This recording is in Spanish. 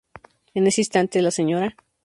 En ese instante la Sra.